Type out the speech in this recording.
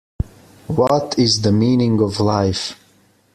What is the meaning of life?